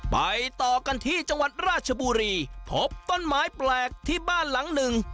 ไปต่อกันที่จังหวัดราชบุรีพบต้นไม้แปลกที่บ้านหลังหนึ่ง